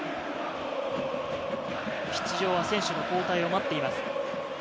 ピッチ上は選手の交代を待っています。